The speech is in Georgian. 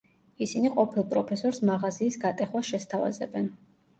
ისინი ყოფილ პროფესორს მაღაზიის გატეხვას შესთავაზებენ.